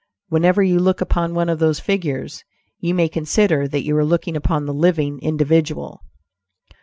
Whenever you look upon one of those figures, you may consider that you are looking upon the living individual."